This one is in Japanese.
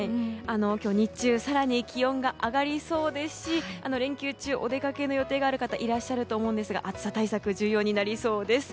日中更に気温が上がりそうですし連休中お出かけの予定がある方いらっしゃると思うんですが暑さ対策重要になりそうです。